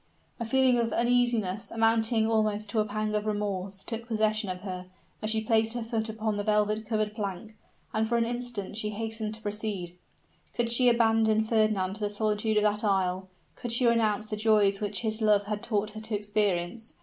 A feeling of uneasiness, amounting almost to a pang of remorse, took possession of her, as she placed her foot upon the velvet covered plank; and for an instant she hesitated to proceed. Could she abandon Fernand to the solitude of that isle? Could she renounce the joys which his love had taught her to experience?